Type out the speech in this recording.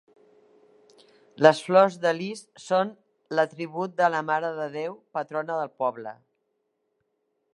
Les flors de lis són l'atribut de la Mare de Déu, patrona del poble.